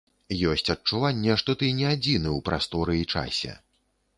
Ёсць адчуванне, што ты не адзіны ў прасторы і часе.